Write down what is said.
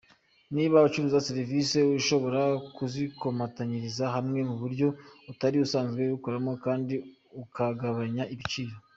Niba ucuruza serivisi, ushobora kuzikomatanyiriza hamwe mu buryo utari usanzwe ubikoramo kandi ukagabanya igiciro.